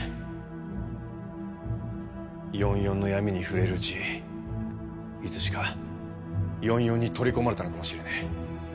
４４の闇に触れるうちいつしか４４に取り込まれたのかもしれねえ。